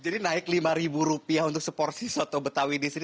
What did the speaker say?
jadi naik rp lima untuk seporsi soto betawi di sini